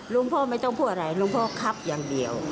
หลวงพ่อไม่ต้องพูดอะไรหลวงพ่อครับอย่างเดียว